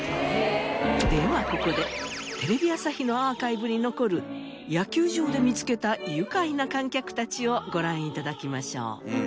ではここでテレビ朝日のアーカイブに残る野球場で見つけた愉快な観客たちをご覧頂きましょう。